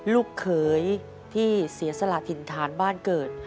ลูกเขยที่เสียสละถิ่นฐานบ้านเกิด